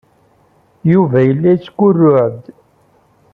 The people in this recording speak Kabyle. Yuba yella yettgurruɛ-d.